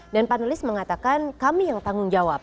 dan panelis mengatakan kami yang tanggung jawab